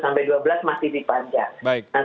jam sepuluh sampai dua belas masih dipanjang